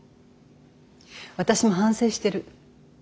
私も反省してる。